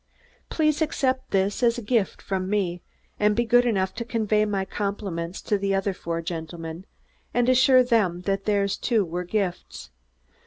Please accept this as a gift from me, and be good enough to convey my compliments to the other four gentlemen, and assure them that theirs, too, were gifts.